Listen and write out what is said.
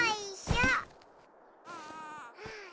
うん。